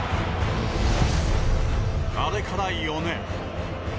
あれから４年。